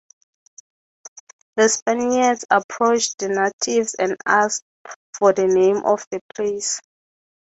The Spaniards approached the natives and asked for the name of the place.